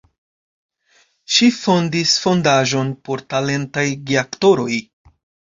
Ŝi fondis fondaĵon por talentaj geaktoroj.